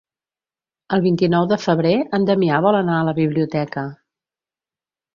El vint-i-nou de febrer en Damià vol anar a la biblioteca.